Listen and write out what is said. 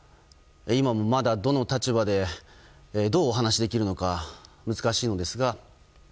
今もまだどの立場で、どうお話しできるか難しいのですが。